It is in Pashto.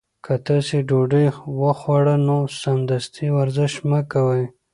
که تاسي ډوډۍ وخوړه نو سمدستي ورزش مه کوئ.